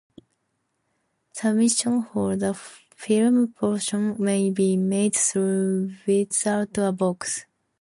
Submissions for the film portion may be made through Withoutabox.